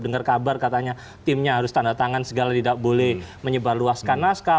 dengar kabar katanya timnya harus tanda tangan segala tidak boleh menyebarluaskan naskah